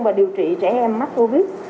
và điều trị trẻ em mắc covid